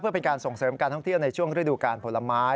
เพื่อเป็นการส่งเสริมการท่องเที่ยวในช่วงฤดูการผลไม้